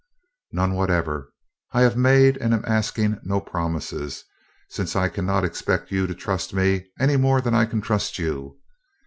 "None whatever I have made and am asking no promises, since I cannot expect you to trust me, any more than I can trust you.